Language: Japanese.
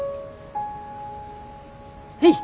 はい。